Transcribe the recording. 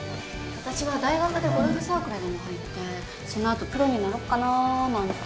あたしは大学でゴルフサークルでも入ってその後プロになろっかなあなんて。